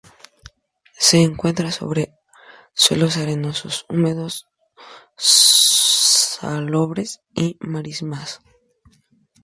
Se encuentra sobre suelos arenosos húmedos, salobres, y marismas.